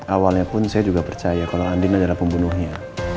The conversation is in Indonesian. awalnya pun saya juga percaya kalau andin adalah pembunuhnya